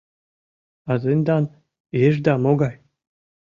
А тендан ешда могай?